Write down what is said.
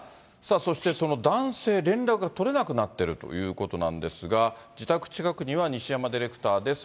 そしてその男性、連絡が取れなくなってるということなんですが、自宅近くには、西山ディレクターです。